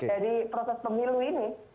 jadi proses pemilu ini